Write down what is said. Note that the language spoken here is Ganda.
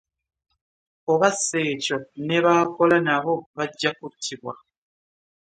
Oba si ekyo ne b'akola nabo bajja kuttibwa